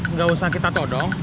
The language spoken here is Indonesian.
nggak usah kita todong